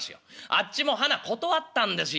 あっちもはな断ったんですよ。